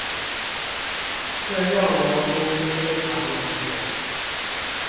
燉肉蘑菇非常美味